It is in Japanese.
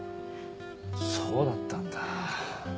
そうだったんだ。